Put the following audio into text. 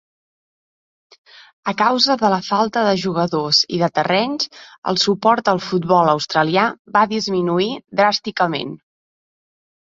A causa de la falta de jugadors i de terrenys, el suport al futbol australià va disminuir dràsticament.